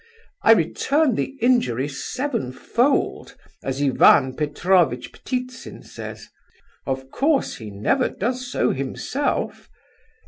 I return the injury sevenfold, as Ivan Petrovitch Ptitsin says. (Of course he never does so himself.)